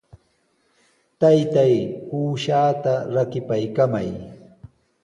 Taytay, uushaata rakipaykamay.